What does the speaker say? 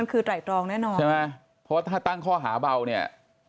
คือไตรตรองแน่นอนใช่ไหมเพราะว่าถ้าตั้งข้อหาเบาเนี่ย